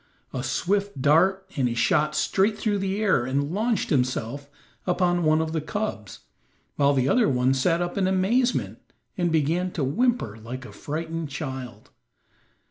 A swift dart, and he shot straight through the air and launched himself upon one of the cubs, while the other one sat up in amazement and began to whimper like a frightened child.